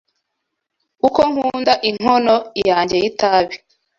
uko nkunda inkono yanjye y’itabi.”